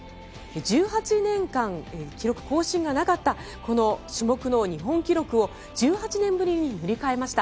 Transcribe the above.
１８年間、記録更新がなかったこの種目の日本記録を１８年ぶりに塗り替えました。